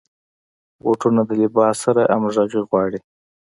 بوټونه د لباس سره همغږي غواړي.